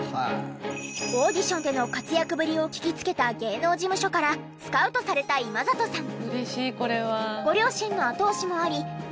オーディションでの活躍ぶりを聞きつけた芸能事務所からスカウトされた今里さん。